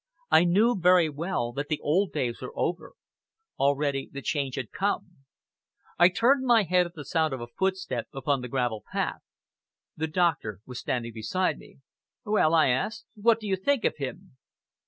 I knew very well that the old days were over. Already the change had come. I turned my head at the sound of a footstep upon the gravel path. The doctor was standing beside me. "Well," I asked, "what do you think of him?"